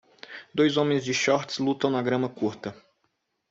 Dois homens de shorts lutam na grama curta.